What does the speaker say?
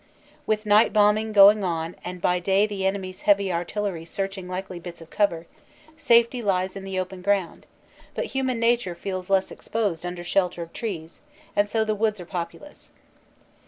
With night bombing going on and by day the enemy s heavy artillery searching likely bits of cover, safety lies in the open ground, but human nature feels less exposed under shelter of trees, and so the woods are populous.